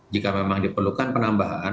jika memang diperlukan penambahan